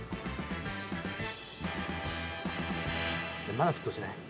まだ沸騰しない？